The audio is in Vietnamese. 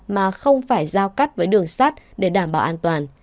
mà không phải giao cắt với đường sát để đảm bảo an toàn